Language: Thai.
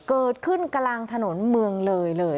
เกิดขึ้นกลางถนนเมืองเลยเลย